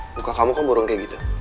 buka kamu kok burung kayak gitu